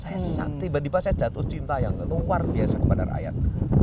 saya tiba tiba saya jatuh cinta yang luar biasa kepada rakyat